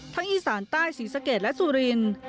ทั้งอีสารใต้ศรีสเกิดและสูริน